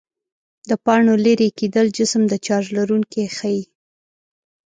د پاڼو لیري کېدل جسم د چارج لرونکی ښيي.